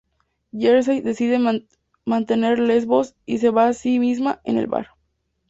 Jerjes decide mantener Les Bos, y se ve a sí misma en el bar.